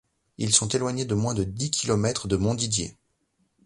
Ils sont éloignés de moins de dix kilomètres de Montdidier.